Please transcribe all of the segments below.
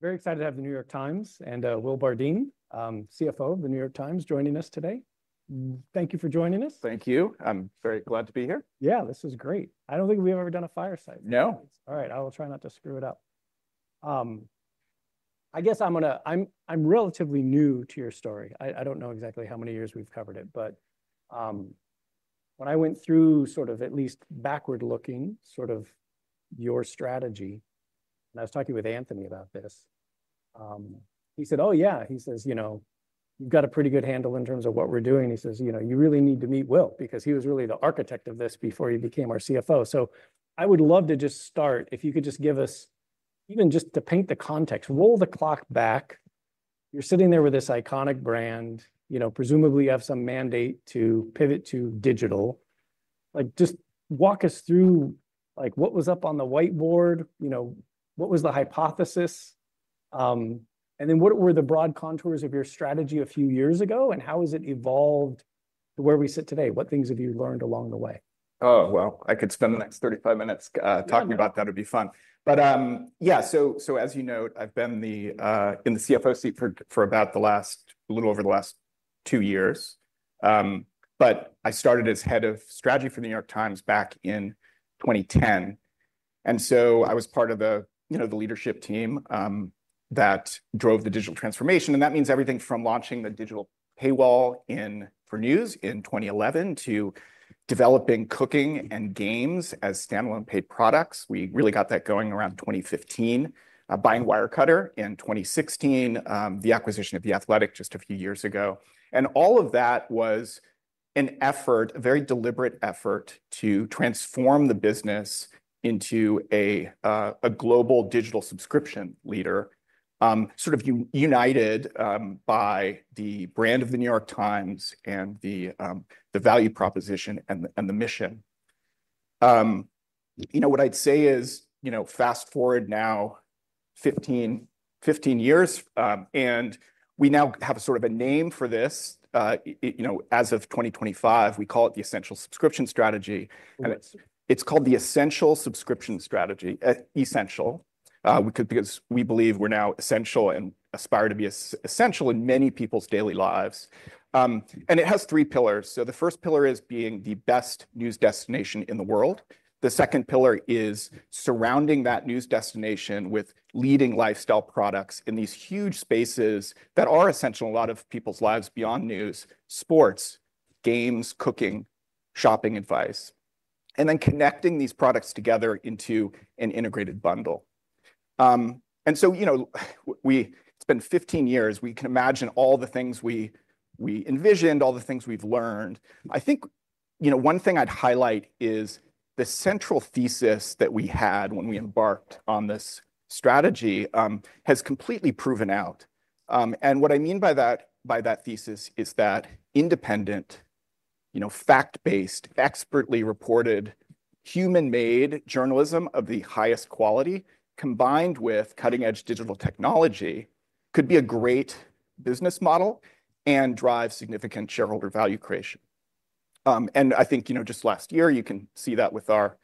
... Very excited to have The New York Times and Will Bardeen, CFO of The New York Times, joining us today. Thank you for joining us. Thank you. I'm very glad to be here. Yeah, this is great. I don't think we've ever done a fireside. No. All right, I will try not to screw it up. I guess I'm gonna. I'm relatively new to your story. I don't know exactly how many years we've covered it, but when I went through sort of at least backward-looking, sort of your strategy, and I was talking with Anthony about this, he said: "Oh, yeah." He says, "you know, you've got a pretty good handle in terms of what we're doing." He says, "You know, you really need to meet Will, because he was really the architect of this before he became our CFO." So I would love to just start, if you could just give us even just to paint the context, roll the clock back. You're sitting there with this iconic brand, you know, presumably you have some mandate to pivot to digital. Like, just walk us through, like, what was up on the whiteboard, you know, what was the hypothesis, and then what were the broad contours of your strategy a few years ago, and how has it evolved to where we sit today? What things have you learned along the way? Oh, well, I could spend the next 35 minutes. Yeah. Talking about that. It'd be fun. But, yeah, so as you know, I've been in the CFO seat for about the last two years, a little over the last two years. But I started as Head of Strategy for The New York Times back in 2010, and so I was part of the leadership team that drove the digital transformation, and that means everything from launching the digital paywall in 2011 for news, to developing Cooking and Games as standalone paid products. We really got that going around 2015. Buying Wirecutter in 2016, the acquisition of The Athletic just a few years ago. And all of that was an effort, a very deliberate effort, to transform the business into a global digital subscription leader. Sort of united by the brand of The New York Times and the value proposition and the mission. You know, what I'd say is, you know, fast-forward now 15 years, and we now have sort of a name for this. You know, as of 2025, we call it the Essential Subscription Strategy, and it's- What? It's called the Essential Subscription Strategy. Essential, because we believe we're now essential and aspire to be essential in many people's daily lives. And it has three pillars. So the first pillar is being the best news destination in the world. The second pillar is surrounding that news destination with leading lifestyle products in these huge spaces that are essential in a lot of people's lives beyond news: sports, games, cooking, shopping advice. And then connecting these products together into an integrated bundle. And so, you know, it's been 15 years. We can imagine all the things we envisioned, all the things we've learned. I think, you know, one thing I'd highlight is the central thesis that we had when we embarked on this strategy has completely proven out. And what I mean by that, by that thesis, is that independent, you know, fact-based, expertly reported, human-made journalism of the highest quality, combined with cutting-edge digital technology, could be a great business model and drive significant shareholder value creation. And I think, you know, just last year, you can see that with our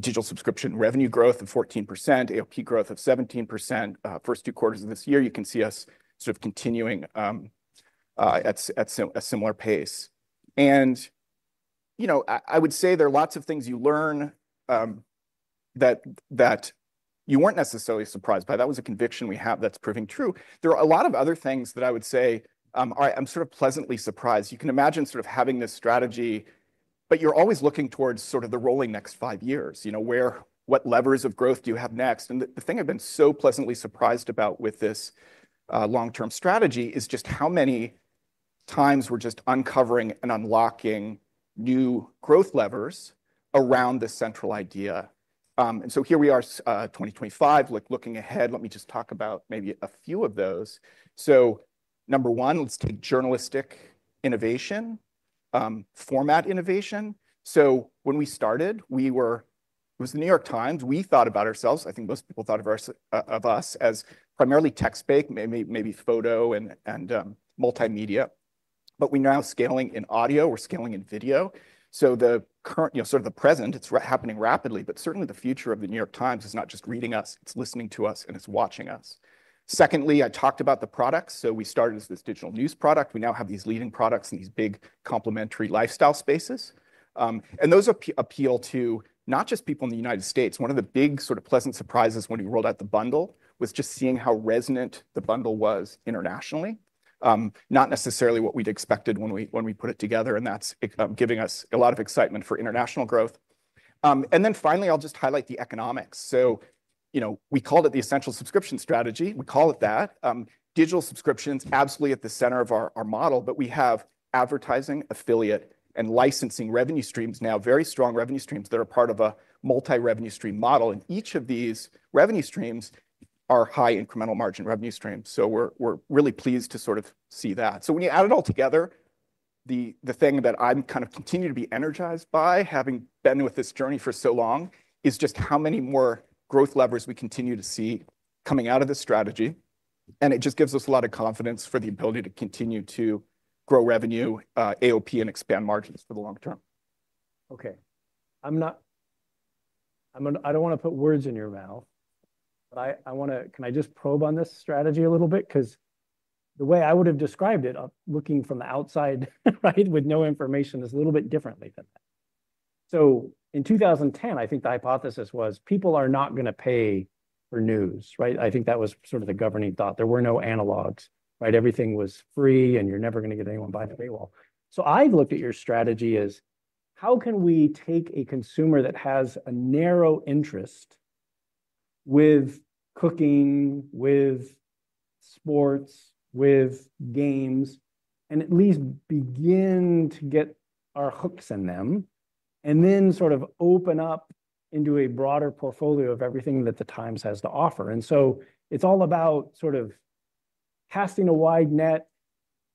digital subscription revenue growth of 14%, AOP growth of 17%. First two quarters of this year, you can see us sort of continuing at a similar pace. And, you know, I would say there are lots of things you learn that you weren't necessarily surprised by. That was a conviction we have that's proving true. There are a lot of other things that I would say, I'm sort of pleasantly surprised. You can imagine sort of having this strategy, but you're always looking towards sort of the rolling next five years. You know, where what levers of growth do you have next? And the thing I've been so pleasantly surprised about with this long-term strategy is just how many times we're just uncovering and unlocking new growth levers around this central idea. And so here we are, twenty twenty-five, looking ahead. Let me just talk about maybe a few of those. So, number one, let's take journalistic innovation, format innovation. So when we started, we were. It was The New York Times. We thought about ourselves, I think most people thought of us, as primarily text-based, maybe photo and multimedia, but we're now scaling in audio, we're scaling in video. So the current, you know, sort of the present, it's happening rapidly, but certainly, the future of The New York Times is not just reading us, it's listening to us, and it's watching us. Secondly, I talked about the products. So we started as this digital news product. We now have these leading products in these big complementary lifestyle spaces. And those appeal to not just people in the United States. One of the big sort of pleasant surprises when we rolled out the bundle was just seeing how resonant the bundle was internationally. Not necessarily what we'd expected when we put it together, and that's giving us a lot of excitement for international growth. And then finally, I'll just highlight the economics. So, you know, we called it the Essential Subscription Strategy. We call it that. Digital subscription's absolutely at the center of our model, but we have advertising, affiliate, and licensing revenue streams now, very strong revenue streams that are part of a multi-revenue stream model, and each of these revenue streams are high incremental margin revenue streams. So we're really pleased to sort of see that, so when you add it all together, the thing that I'm kind of continue to be energized by, having been with this journey for so long, is just how many more growth levers we continue to see coming out of this strategy, and it just gives us a lot of confidence for the ability to continue to grow revenue, AOP, and expand margins for the long term.... Okay, I don't want to put words in your mouth, but I wanna. Can I just probe on this strategy a little bit? Because the way I would have described it, looking from the outside, right, with no information, is a little bit differently than that. So in 2010, I think the hypothesis was, people are not gonna pay for news, right? I think that was sort of the governing thought. There were no analogs, right? Everything was free, and you're never gonna get anyone behind a paywall. So I've looked at your strategy as, how can we take a consumer that has a narrow interest with cooking, with sports, with games, and at least begin to get our hooks in them, and then sort of open up into a broader portfolio of everything that The Times has to offer. It's all about sort of casting a wide net,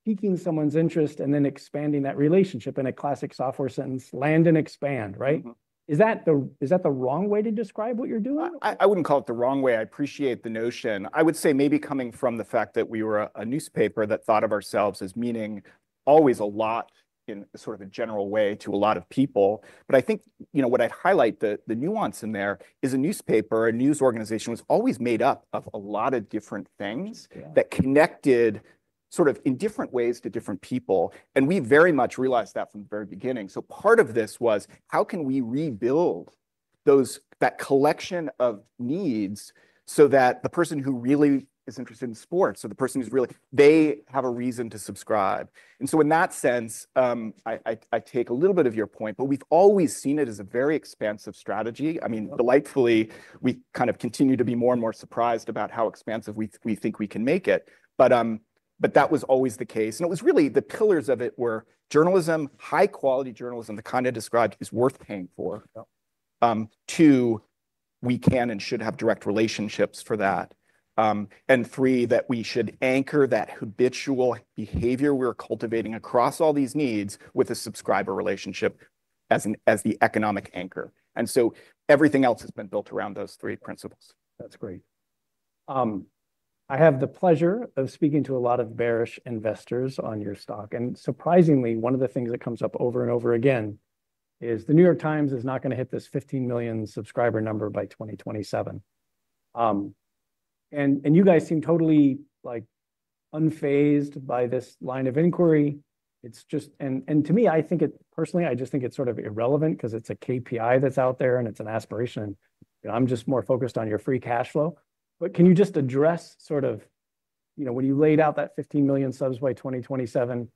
piquing someone's interest, and then expanding that relationship in a classic software sentence, "Land and expand," right? Mm-hmm. Is that the wrong way to describe what you're doing? I wouldn't call it the wrong way. I appreciate the notion. I would say maybe coming from the fact that we were a newspaper that thought of ourselves as meaning always a lot in sort of a general way to a lot of people, but I think, you know, what I'd highlight, the nuance in there, is a newspaper, a news organization, was always made up of a lot of different things. Yeah... that connected sort of in different ways to different people, and we very much realized that from the very beginning, so part of this was, how can we rebuild those, that collection of needs so that the person who really is interested in sports or the person who's really... they have a reason to subscribe, and so in that sense, I take a little bit of your point, but we've always seen it as a very expansive strategy. I mean, delightfully, we kind of continue to be more and more surprised about how expansive we think we can make it, but that was always the case, and it was really the pillars of it were journalism, high-quality journalism, the kind I described, is worth paying for. Yeah. Two, we can and should have direct relationships for that. And three, that we should anchor that habitual behavior we're cultivating across all these needs with a subscriber relationship as the economic anchor. And so everything else has been built around those three principles. That's great. I have the pleasure of speaking to a lot of bearish investors on your stock, and surprisingly, one of the things that comes up over and over again is The New York Times is not gonna hit this 15 million subscriber number by 2027. And you guys seem totally, like, unfazed by this line of inquiry. It's just, and to me, I think it, personally, I just think it's sort of irrelevant 'cause it's a KPI that's out there, and it's an aspiration, and I'm just more focused on your free cash flow. But can you just address sort of, you know, when you laid out that 15 million subs by 2027,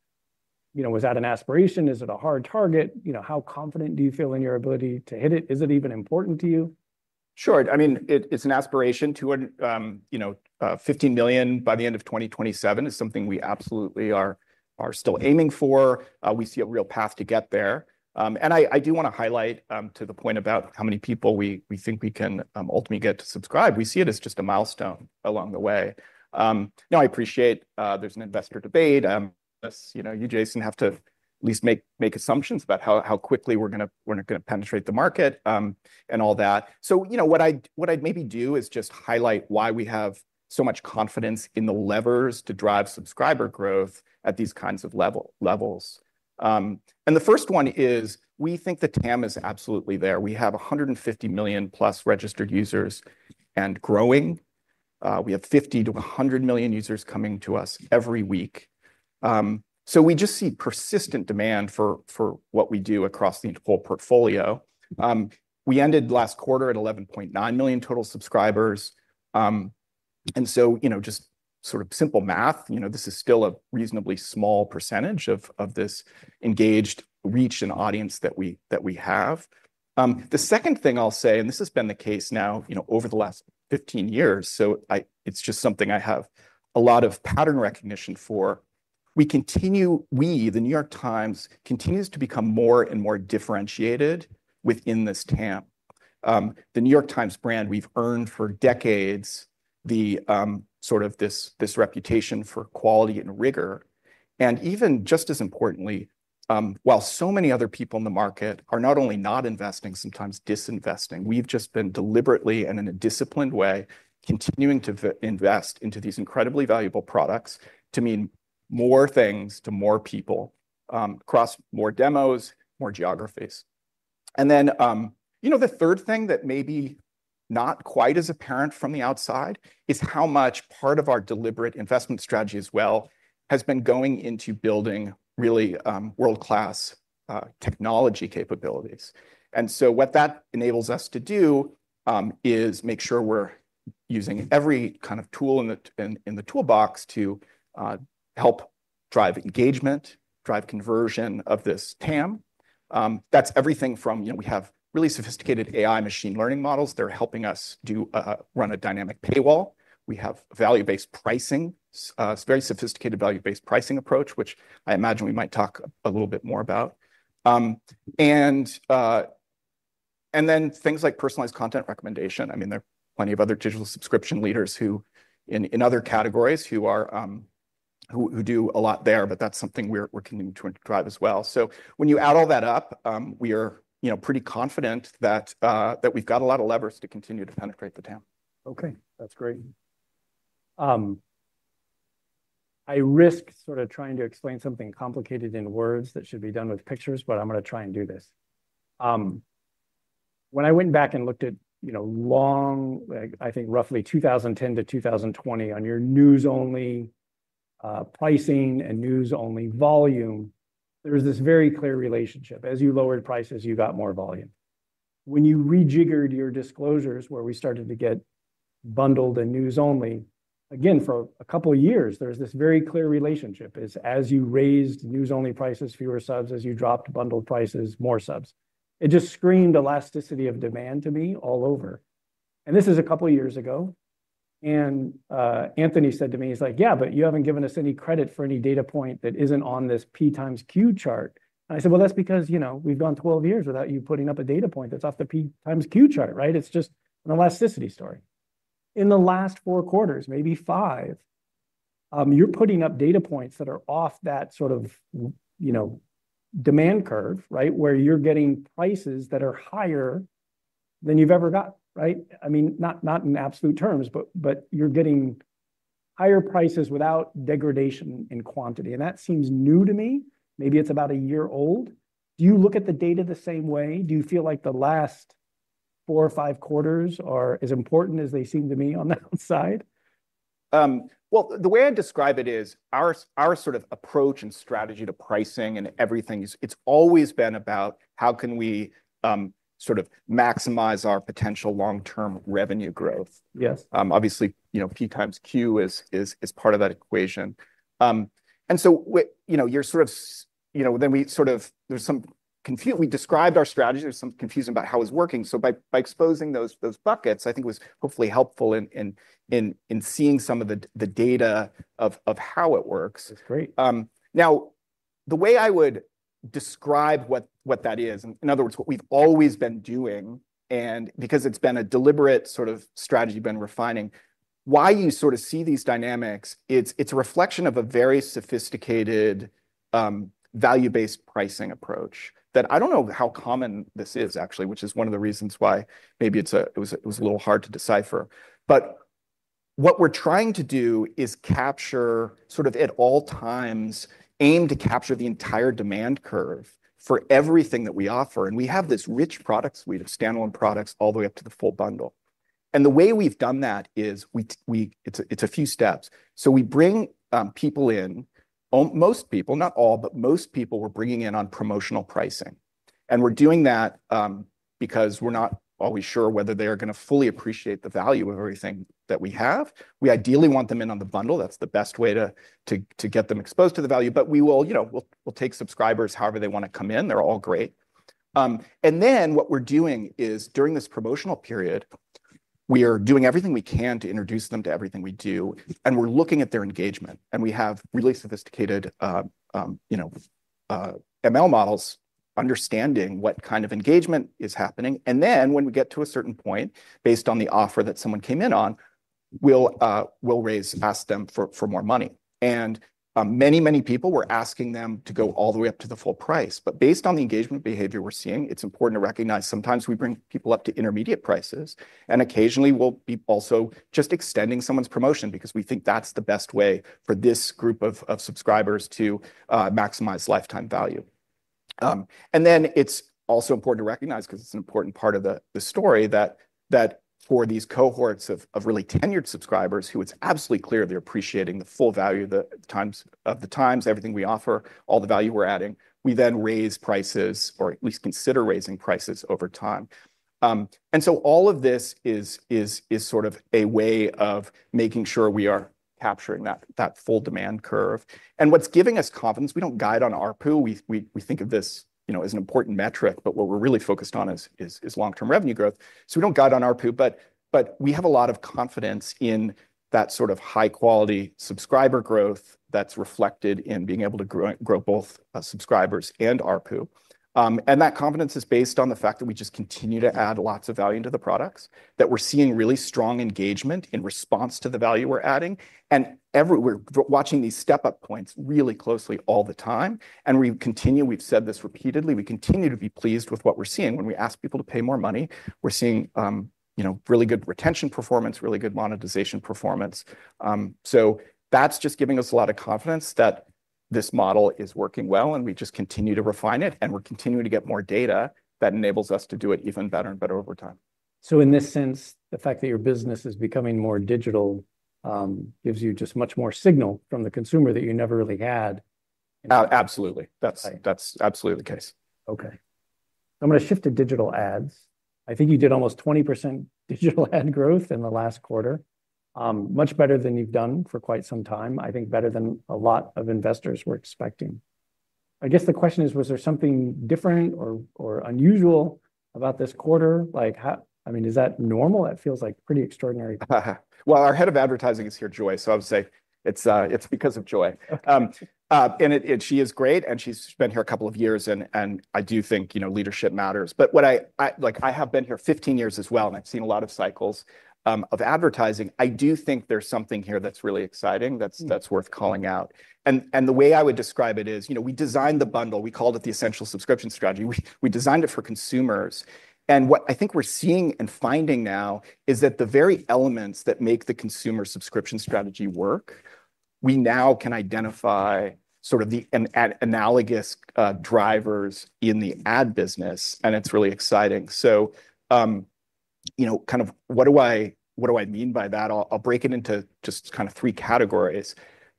you know, was that an aspiration? Is it a hard target? You know, how confident do you feel in your ability to hit it? Is it even important to you? Sure. I mean, it's an aspiration to, you know, fifteen million by the end of 2027 is something we absolutely are still aiming for. We see a real path to get there. And I do wanna highlight to the point about how many people we think we can ultimately get to subscribe. We see it as just a milestone along the way. Now, I appreciate, there's an investor debate. As you know, you, Jason, have to at least make assumptions about how quickly we're gonna penetrate the market, and all that. So, you know, what I'd maybe do is just highlight why we have so much confidence in the levers to drive subscriber growth at these kinds of levels. And the first one is, we think the TAM is absolutely there. We have 150 million plus registered users and growing. We have 50 million-100 million users coming to us every week. So we just see persistent demand for, for what we do across the whole portfolio. We ended last quarter at 11.9 million total subscribers. And so, you know, just sort of simple math, you know, this is still a reasonably small percentage of, of this engaged reach and audience that we, that we have. The second thing I'll say, and this has been the case now, you know, over the last 15 years, so it's just something I have a lot of pattern recognition for. We continue. We, The New York Times, continues to become more and more differentiated within this TAM. The New York Times brand, we've earned for decades the sort of this reputation for quality and rigor. And even just as importantly, while so many other people in the market are not only not investing, sometimes disinvesting, we've just been deliberately and in a disciplined way, continuing to invest into these incredibly valuable products to mean more things to more people, across more demos, more geographies. And then, you know, the third thing that maybe not quite as apparent from the outside is how much part of our deliberate investment strategy as well has been going into building really world-class technology capabilities. And so what that enables us to do is make sure we're using every kind of tool in the toolbox to help drive engagement, drive conversion of this TAM. That's everything from, you know, we have really sophisticated AI machine learning models. They're helping us do run a dynamic paywall. We have value-based pricing very sophisticated value-based pricing approach, which I imagine we might talk a little bit more about. And then things like personalized content recommendation. I mean, there are plenty of other digital subscription leaders who in other categories who are who do a lot there, but that's something we're continuing to drive as well. So when you add all that up, we are, you know, pretty confident that we've got a lot of levers to continue to penetrate the TAM. Okay, that's great. I risk sort of trying to explain something complicated in words that should be done with pictures, but I'm going to try and do this. When I went back and looked at, you know, long, like, I think roughly 2010 to 2020, on your news-only pricing and news-only volume, there was this very clear relationship. As you lowered prices, you got more volume. When you rejiggered your disclosures, where we started to get bundled and news only, again, for a couple of years, there's this very clear relationship, is as you raised news-only prices, fewer subs. As you dropped bundled prices, more subs. It just screamed elasticity of demand to me all over. This is a couple years ago, and Anthony said to me, he's like: "Yeah, but you haven't given us any credit for any data point that isn't on this P times Q chart." I said, "Well, that's because, you know, we've gone twelve years without you putting up a data point that's off the P times Q chart, right? It's just an elasticity story." In the last four quarters, maybe five, you're putting up data points that are off that sort of you know, demand curve, right? Where you're getting prices that are higher than you've ever got, right? I mean, not, not in absolute terms, but, but you're getting higher prices without degradation in quantity, and that seems new to me. Maybe it's about a year old. Do you look at the data the same way? Do you feel like the last four or five quarters are as important as they seem to me on the outside? The way I describe it is, our sort of approach and strategy to pricing and everything is it's always been about: How can we sort of maximize our potential long-term revenue growth? Yes. Obviously, you know, P times Q is part of that equation, and so, you know, you're sort of, you know, then we sort of described our strategy. There's some confusion about how it's working, so by exposing those buckets, I think was hopefully helpful in seeing some of the data of how it works. That's great. Now, the way I would describe what that is, in other words, what we've always been doing, and because it's been a deliberate sort of strategy we've been refining, why you sort of see these dynamics, it's a reflection of a very sophisticated value-based pricing approach that I don't know how common this is, actually, which is one of the reasons why maybe it was a little hard to decipher. But what we're trying to do is capture, sort of at all times, aim to capture the entire demand curve for everything that we offer. And we have this rich product suite of standalone products all the way up to the full bundle. And the way we've done that is it's a few steps. So we bring people in, most people, not all, but most people, we're bringing in on promotional pricing. And we're doing that because we're not always sure whether they are going to fully appreciate the value of everything that we have. We ideally want them in on the bundle. That's the best way to get them exposed to the value, but we will, you know, we'll take subscribers however they want to come in. They're all great. And then what we're doing is, during this promotional period, we are doing everything we can to introduce them to everything we do, and we're looking at their engagement. And we have really sophisticated, you know, ML models, understanding what kind of engagement is happening. And then, when we get to a certain point, based on the offer that someone came in on, we'll raise, ask them for more money. And many, many people, we're asking them to go all the way up to the full price. But based on the engagement behavior we're seeing, it's important to recognize sometimes we bring people up to intermediate prices, and occasionally we'll be also just extending someone's promotion because we think that's the best way for this group of subscribers to maximize lifetime value. And then it's also important to recognize, 'cause it's an important part of the story, that for these cohorts of really tenured subscribers, who it's absolutely clear they're appreciating the full value of the Times, of the Times, everything we offer, all the value we're adding, we then raise prices or at least consider raising prices over time. And so all of this is sort of a way of making sure we are capturing that full demand curve. And what's giving us confidence, we don't guide on ARPU. We think of this, you know, as an important metric, but what we're really focused on is long-term revenue growth. We don't guide on ARPU, but we have a lot of confidence in that sort of high-quality subscriber growth that's reflected in being able to grow both subscribers and ARPU. That confidence is based on the fact that we just continue to add lots of value into the products, that we're seeing really strong engagement in response to the value we're adding, and we're watching these step-up points really closely all the time. We've said this repeatedly. We continue to be pleased with what we're seeing. When we ask people to pay more money, we're seeing you know really good retention performance, really good monetization performance. So that's just giving us a lot of confidence that this model is working well, and we just continue to refine it, and we're continuing to get more data that enables us to do it even better and better over time. In this sense, the fact that your business is becoming more digital gives you just much more signal from the consumer that you never really had. Uh, absolutely. Right. That's absolutely the case. Okay, I'm going to shift to digital ads. I think you did almost 20% digital ad growth in the last quarter. Much better than you've done for quite some time, I think, better than a lot of investors were expecting. I guess the question is: Was there something different or, or unusual about this quarter? Like, how... I mean, is that normal? That feels like pretty extraordinary. Our head of advertising is here, Joy, so I would say it's because of Joy. And she is great, and she's been here a couple of years, and I do think, you know, leadership matters. But what I like, I have been here fifteen years as well, and I've seen a lot of cycles of advertising. I do think there's something here that's really exciting, that's worth calling out, and the way I would describe it is, you know, we designed the bundle, we called it the Essential Subscription Strategy. We designed it for consumers, and what I think we're seeing and finding now is that the very elements that make the consumer subscription strategy work, we now can identify sort of an analogous drivers in the ad business, and it's really exciting. So, you know, kind of what do I mean by that? I'll break it into just kind of three categories.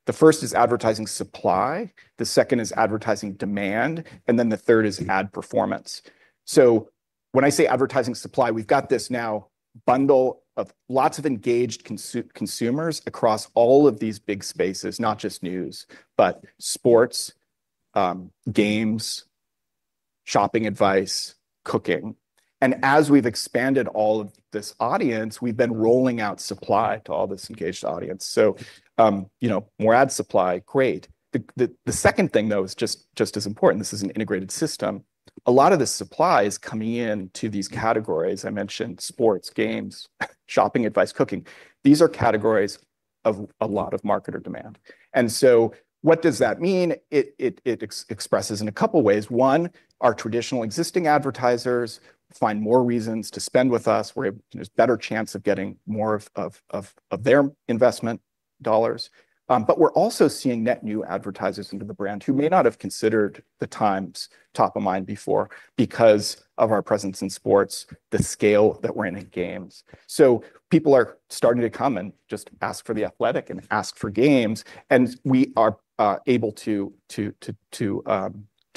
The first is advertising supply, the second is advertising demand, and then the third is ad performance. So when I say advertising supply, we've got this now bundle of lots of engaged consumers across all of these big spaces, not just news, but sports, games, shopping advice, cooking. And as we've expanded all of this audience, we've been rolling out supply to all this engaged audience. So, you know, more ad supply, great. The second thing, though, is just as important, this is an integrated system. A lot of the supply is coming in to these categories. I mentioned sports, games, shopping advice, cooking. These are categories of a lot of marketer demand. And so what does that mean? It expresses in a couple of ways. One, our traditional existing advertisers find more reasons to spend with us, where there's better chance of getting more of their investment dollars, but we're also seeing net new advertisers into the brand who may not have considered the Times top of mind before, because of our presence in sports, the scale that we're in games, so people are starting to come and just ask for The Athletic and ask for Games, and we are able to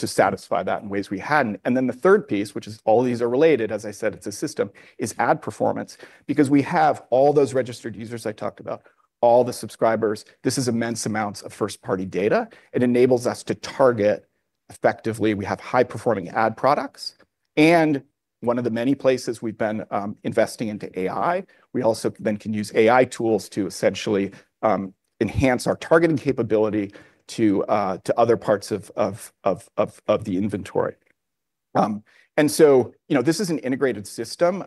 satisfy that in ways we hadn't, and then the third piece, which is all these are related, as I said, it's a system, is ad performance. Because we have all those registered users I talked about, all the subscribers. This is immense amounts of first-party data. It enables us to target effectively. We have high-performing ad products, and one of the many places we've been investing into AI, we also then can use AI tools to essentially enhance our targeting capability to other parts of the inventory. And so, you know, this is an integrated system.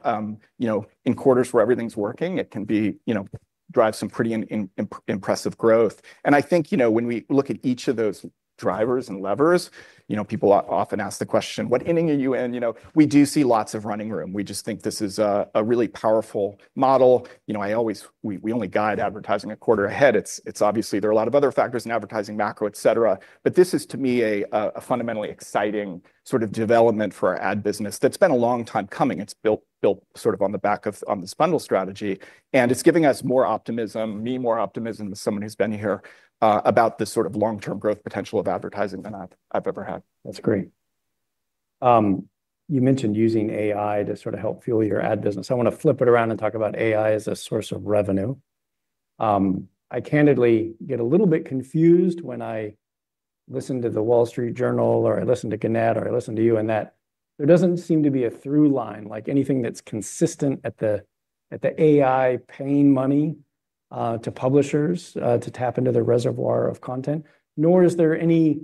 You know, in quarters where everything's working, it can be, you know, drive some pretty impressive growth. And I think, you know, when we look at each of those drivers and levers, you know, people often ask the question: "What inning are you in?" You know, we do see lots of running room. We just think this is a really powerful model. You know, I always- we only guide advertising a quarter ahead. It's obviously there are a lot of other factors in advertising, macro, et cetera, but this is, to me, a fundamentally exciting sort of development for our ad business that's been a long time coming. It's built sort of on this bundle strategy, and it's giving us more optimism, me more optimism as someone who's been here, about this sort of long-term growth potential of advertising than I've ever had. That's great. You mentioned using AI to sort of help fuel your ad business. I want to flip it around and talk about AI as a source of revenue. I candidly get a little bit confused when I listen to The Wall Street Journal, or I listen to Gannett, or I listen to you, and that there doesn't seem to be a through line, like anything that's consistent at the AI paying money to publishers to tap into their reservoir of content, nor is there any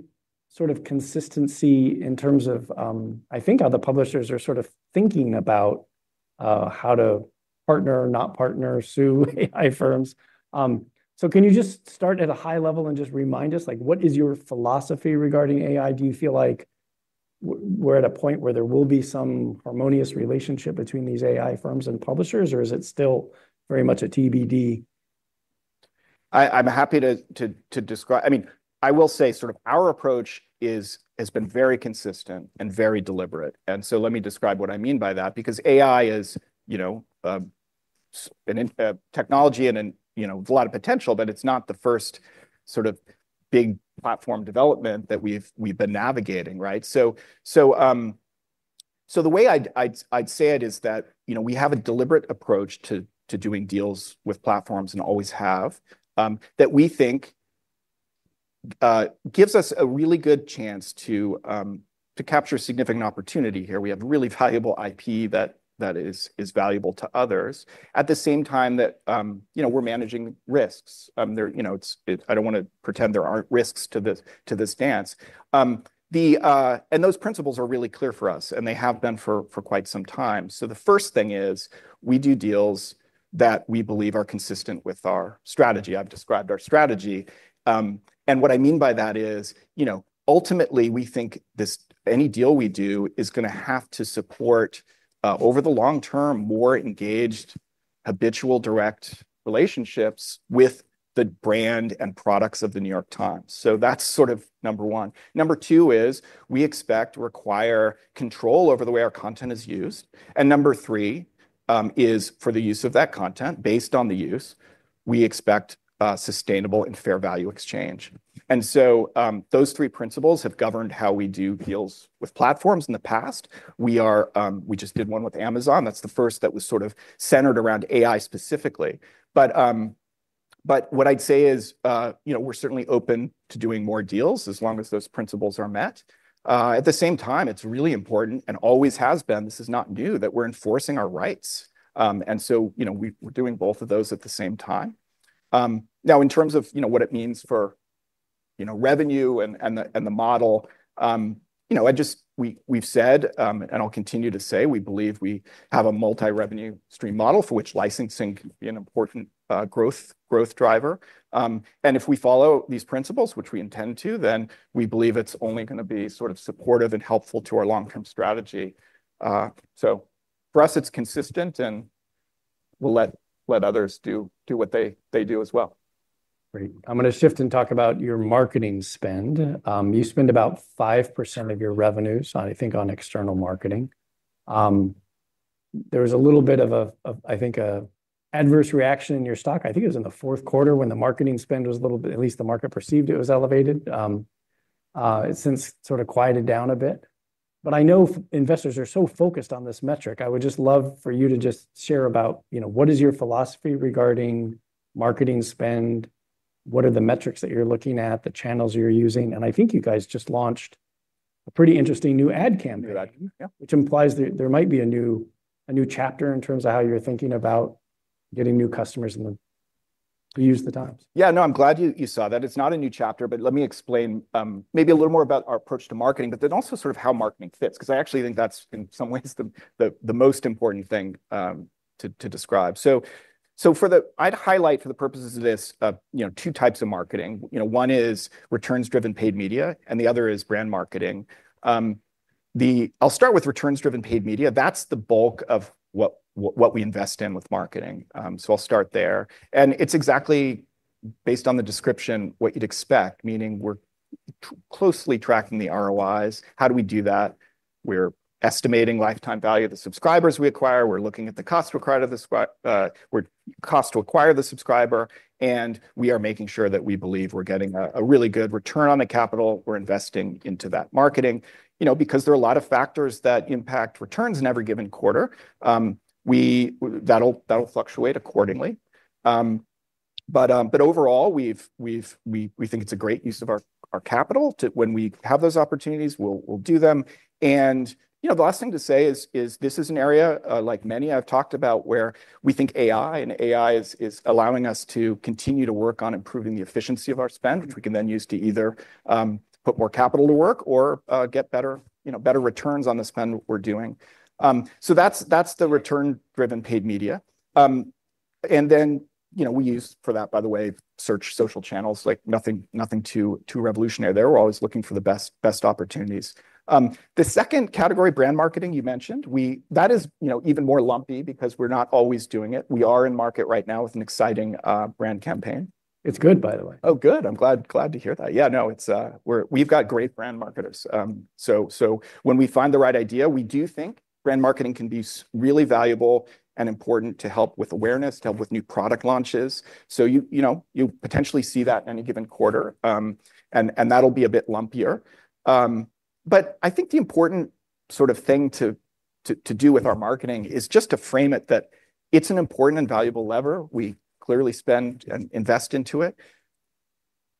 sort of consistency in terms of, I think, how the publishers are sort of thinking about how to partner, not partner, sue AI firms. So can you just start at a high level and just remind us, like, what is your philosophy regarding AI? Do you feel like we're at a point where there will be some harmonious relationship between these AI firms and publishers, or is it still very much a TBD? I'm happy to describe. I mean, I will say sort of our approach has been very consistent and very deliberate, and so let me describe what I mean by that. Because AI is, you know, a technology and you know, a lot of potential, but it's not the first sort of big platform development that we've been navigating, right? So the way I'd say it is that, you know, we have a deliberate approach to doing deals with platforms and always have that we think gives us a really good chance to capture significant opportunity here. We have really valuable IP that is valuable to others. At the same time that, you know, we're managing risks. You know, I don't want to pretend there aren't risks to this dance and those principles are really clear for us, and they have been for quite some time, so the first thing is, we do deals that we believe are consistent with our strategy. I've described our strategy, and what I mean by that is, you know, ultimately, we think any deal we do is going to have to support over the long term more engaged, habitual, direct relationships with the brand and products of The New York Times, so that's sort of number one, number two is, we expect, require control over the way our content is used, and number three is for the use of that content, based on the use, we expect sustainable and fair value exchange. And so, those three principles have governed how we do deals with platforms in the past. We just did one with Amazon. That's the first that was sort of centered around AI specifically. But what I'd say is, you know, we're certainly open to doing more deals as long as those principles are met. At the same time, it's really important and always has been, this is not new, that we're enforcing our rights. And so, you know, we, we're doing both of those at the same time. Now, in terms of, you know, what it means for you know, revenue and the model, you know, we've said, and I'll continue to say, we believe we have a multi-revenue stream model for which licensing can be an important growth driver. And if we follow these principles, which we intend to, then we believe it's only gonna be sort of supportive and helpful to our long-term strategy. So for us, it's consistent, and we'll let others do what they do as well. Great. I'm gonna shift and talk about your marketing spend. You spend about 5% of your revenues, I think, on external marketing. There was a little bit of, I think, an adverse reaction in your stock. I think it was in the fourth quarter when the marketing spend was a little bit, at least the market perceived it was elevated. It's since sort of quieted down a bit, but I know investors are so focused on this metric. I would just love for you to just share about, you know, what is your philosophy regarding marketing spend? What are the metrics that you're looking at, the channels you're using? And I think you guys just launched a pretty interesting new ad campaign. New ad, yep. which implies there might be a new chapter in terms of how you're thinking about getting new customers in the... We use the Times. Yeah, no, I'm glad you saw that. It's not a new chapter, but let me explain maybe a little more about our approach to marketing, but then also sort of how marketing fits, 'cause I actually think that's, in some ways, the most important thing to describe. So, I'd highlight, for the purposes of this, you know, two types of marketing. You know, one is returns-driven paid media, and the other is brand marketing. I'll start with returns-driven paid media. That's the bulk of what we invest in with marketing. So I'll start there. And it's exactly, based on the description, what you'd expect, meaning we're closely tracking the ROIs. How do we do that? We're estimating lifetime value of the subscribers we acquire. We're looking at the cost to acquire the subscriber, and we are making sure that we believe we're getting a really good return on the capital we're investing into that marketing. You know, because there are a lot of factors that impact returns in every given quarter, that'll fluctuate accordingly. But overall, we think it's a great use of our capital to... When we have those opportunities, we'll do them. You know, the last thing to say is this is an area, like many I've talked about, where we think AI is allowing us to continue to work on improving the efficiency of our spend, which we can then use to either put more capital to work or get better, you know, better returns on the spend we're doing. That's the return-driven paid media. You know, we use for that, by the way, search social channels, like nothing too revolutionary there. We're always looking for the best opportunities. The second category, brand marketing, you mentioned, that is, you know, even more lumpy because we're not always doing it. We are in market right now with an exciting brand campaign. It's good, by the way. Oh, good. I'm glad, glad to hear that. Yeah, no, it's, we're- we've got great brand marketers. So, when we find the right idea, we do think brand marketing can be really valuable and important to help with awareness, to help with new product launches. So you know, you'll potentially see that in any given quarter. And that'll be a bit lumpier. But I think the important sort of thing to do with our marketing is just to frame it that it's an important and valuable lever. We clearly spend and invest into it,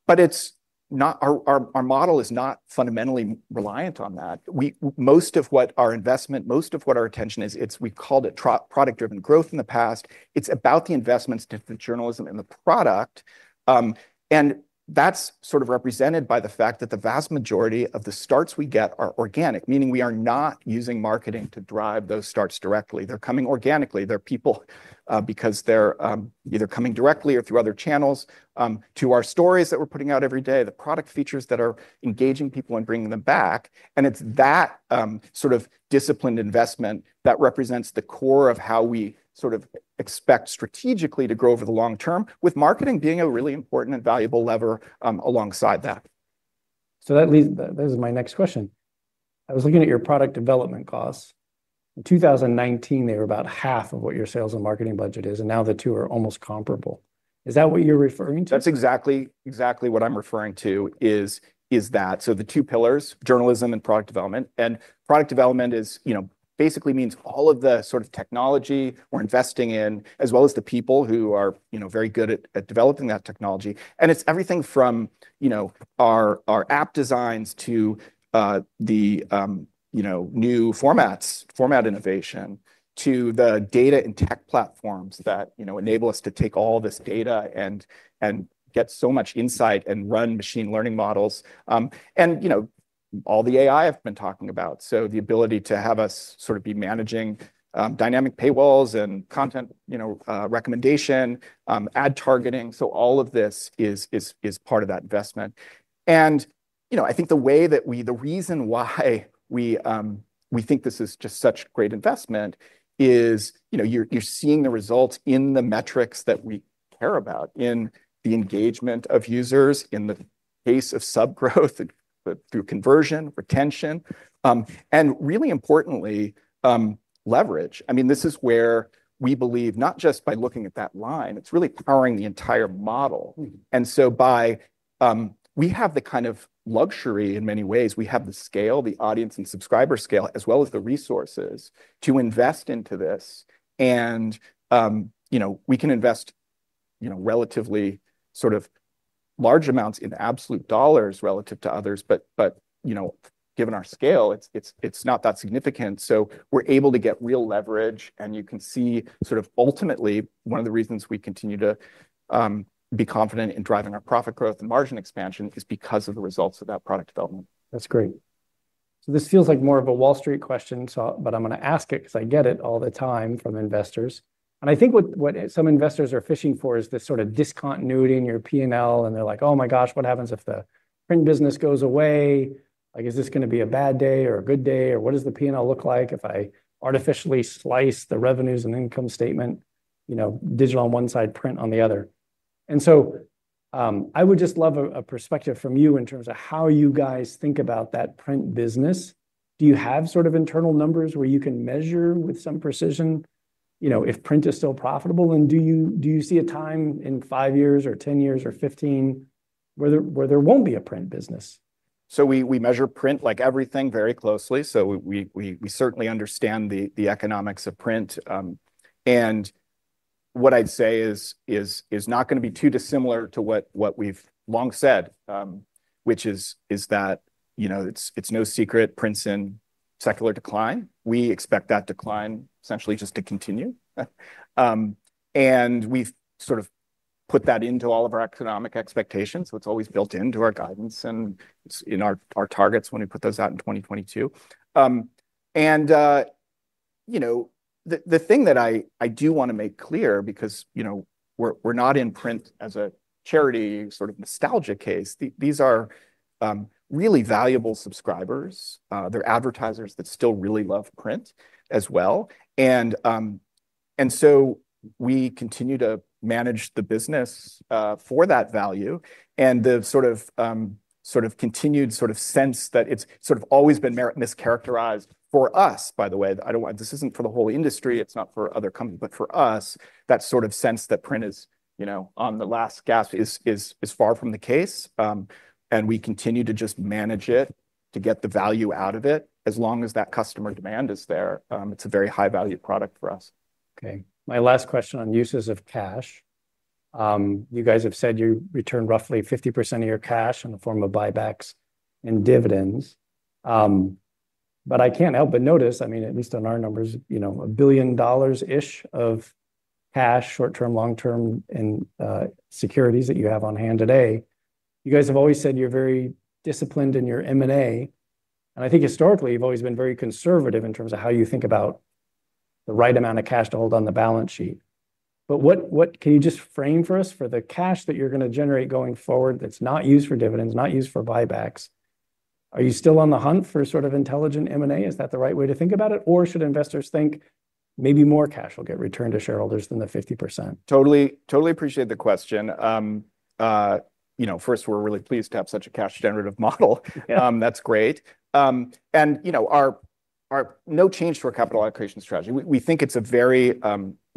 but it's not our model is not fundamentally reliant on that. Most of what our investment, most of what our attention is, it's, we called it product-driven growth in the past. It's about the investments into the journalism and the product. And that's sort of represented by the fact that the vast majority of the starts we get are organic, meaning we are not using marketing to drive those starts directly. They're coming organically. They're people because they're either coming directly or through other channels to our stories that we're putting out every day, the product features that are engaging people and bringing them back, and it's that sort of disciplined investment that represents the core of how we sort of expect strategically to grow over the long term, with marketing being a really important and valuable lever alongside that. So that is my next question. I was looking at your product development costs. In 2019, they were about half of what your sales and marketing budget is, and now the two are almost comparable. Is that what you're referring to? That's exactly, exactly what I'm referring to, is that. So the two pillars, journalism and product development, and product development is, you know, basically means all of the sort of technology we're investing in, as well as the people who are, you know, very good at developing that technology. And it's everything from, you know, our app designs to the, you know, new formats, format innovation, to the data and tech platforms that, you know, enable us to take all this data and get so much insight and run machine learning models. And, you know, all the AI I've been talking about, so the ability to have us sort of be managing dynamic paywalls and content, you know, recommendation, ad targeting, so all of this is part of that investment. You know, I think the way that the reason why we think this is just such great investment is, you know, you're seeing the results in the metrics that we care about, in the engagement of users, in the pace of sub growth, through conversion, retention, and really importantly, leverage. I mean, this is where we believe, not just by looking at that line, it's really powering the entire model. Mm-hmm. And so, we have the kind of luxury, in many ways, we have the scale, the audience and subscriber scale, as well as the resources to invest into this. And, you know, we can invest, you know, relatively sort of large amounts in absolute dollars relative to others, but, you know, given our scale, it's not that significant. So we're able to get real leverage, and you can see sort of ultimately one of the reasons we continue to be confident in driving our profit growth and margin expansion is because of the results of that product development. That's great. So this feels like more of a Wall Street question, so but I'm gonna ask it 'cause I get it all the time from investors. I think what some investors are fishing for is this sort of discontinuity in your P&L, and they're like, "Oh my gosh, what happens if the print business goes away? Like, is this gonna be a bad day or a good day? Or what does the P&L look like if I artificially slice the revenues and income statement, you know, digital on one side, print on the other?" And so I would just love a perspective from you in terms of how you guys think about that print business. Do you have sort of internal numbers where you can measure with some precision, you know, if print is still profitable? Do you see a time in five years, or 10 years, or 15 where there won't be a print business? So we measure print, like everything, very closely. So we certainly understand the economics of print. And what I'd say is not gonna be too dissimilar to what we've long said, which is that, you know, it's no secret print's in secular decline. We expect that decline essentially just to continue. And we've sort of put that into all of our economic expectations, so it's always built into our guidance and in our targets when we put those out in 2022. And, you know, the thing that I do want to make clear, because, you know, we're not in print as a charity, sort of nostalgia case. These are really valuable subscribers. They're advertisers that still really love print as well. So we continue to manage the business for that value and the sort of sort of continued sort of sense that it's sort of always been mischaracterized for us, by the way. This isn't for the whole industry, it's not for other companies, but for us, that sort of sense that print is, you know, on the last gasp is far from the case. We continue to just manage it to get the value out of it. As long as that customer demand is there, it's a very high value product for us. Okay, my last question on uses of cash. You guys have said you return roughly 50% of your cash in the form of buybacks and dividends. But I can't help but notice, I mean, at least on our numbers, you know, $1 billion-ish of cash, short-term, long-term, and securities that you have on hand today. You guys have always said you're very disciplined in your M&A, and I think historically, you've always been very conservative in terms of how you think about the right amount of cash to hold on the balance sheet. But what can you just frame for us, for the cash that you're gonna generate going forward that's not used for dividends, not used for buybacks, are you still on the hunt for sort of intelligent M&A? Is that the right way to think about it? Or should investors think maybe more cash will get returned to shareholders than the 50%? Totally, totally appreciate the question. You know, first, we're really pleased to have such a cash generative model. Yeah. That's great, and, you know, no change to our capital allocation strategy. We think it's a very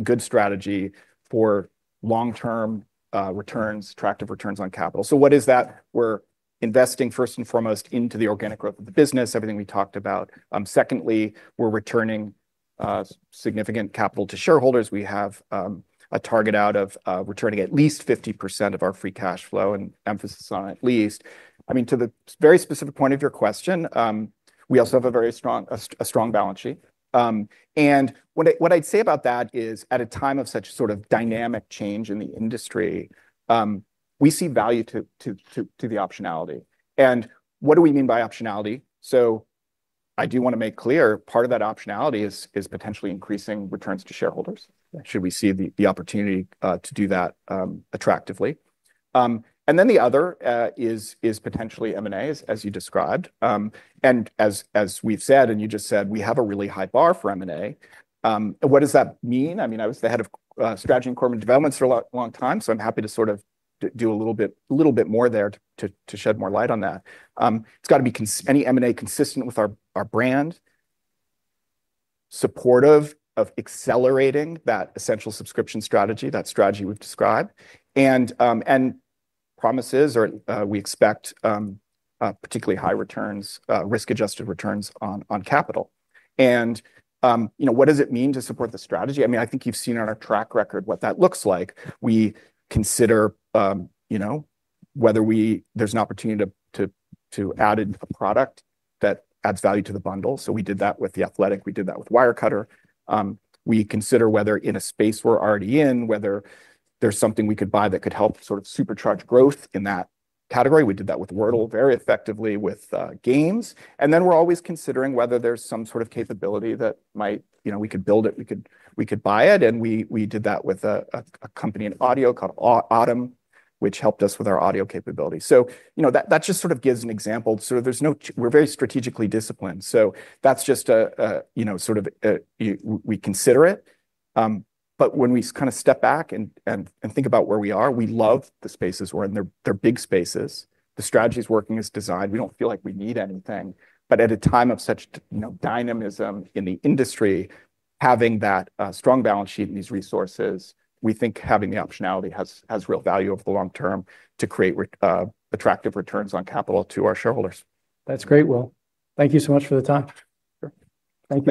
good strategy for long-term returns, attractive returns on capital. So what is that? We're investing first and foremost into the organic growth of the business, everything we talked about. Secondly, we're returning significant capital to shareholders. We have a target of returning at least 50% of our free cash flow, and emphasis on at least. I mean, to the very specific point of your question, we also have a very strong, a strong balance sheet. And what I'd say about that is, at a time of such sort of dynamic change in the industry, we see value to the optionality. And what do we mean by optionality? So I do want to make clear, part of that optionality is potentially increasing returns to shareholders- Yeah ... should we see the opportunity to do that attractively. And then the other is potentially M&A, as you described. And as we've said, and you just said, we have a really high bar for M&A. What does that mean? I mean, I was the head of strategy and corporate developments for a long time, so I'm happy to sort of do a little bit, a little bit more there to shed more light on that. It's got to be any M&A consistent with our brand, supportive of accelerating that Essential Subscription Strategy, that strategy we've described. And promises or we expect particularly high returns, risk-adjusted returns on capital. And you know, what does it mean to support the strategy? I mean, I think you've seen on our track record what that looks like. We consider you know, whether there's an opportunity to add in a product that adds value to the bundle. So we did that with The Athletic, we did that with Wirecutter. We consider whether in a space we're already in, whether there's something we could buy that could help sort of supercharge growth in that category. We did that with Wordle very effectively, with games. And then we're always considering whether there's some sort of capability that might. You know, we could build it, we could buy it, and we did that with a company in audio called Audm, which helped us with our audio capabilities. So, you know, that just sort of gives an example. We're very strategically disciplined, so that's just a you know sort of we consider it, but when we kind of step back and think about where we are, we love the spaces we're in. They're big spaces. The strategy is working as designed. We don't feel like we need anything, but at a time of such you know dynamism in the industry, having that strong balance sheet and these resources, we think having the optionality has real value over the long term to create attractive returns on capital to our shareholders. That's great, Will. Thank you so much for the time. Sure. Thank you.